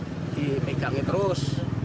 yang dipegangi terus